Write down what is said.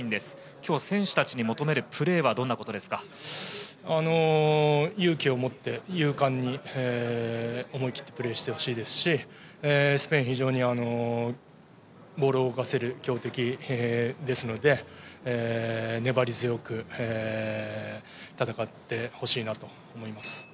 今日、選手たちに求めるプレーは勇気をもって、勇敢に思い切ってプレーしてほしいですしスペイン、非常にボールを動かせる強敵ですので粘り強く戦ってほしいなと思います。